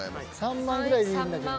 ３万ぐらいでいいんだけど。